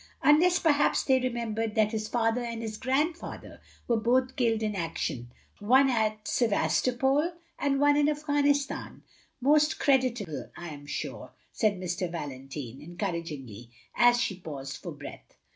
Unless perhaps they remem bered that his father and his grandfather were both killed in action, one at Sevastopol, and one in Afghanistan." " Most creditable, I 'm sure, " said Mr. Valentine, encouragingly, as she paused for breath.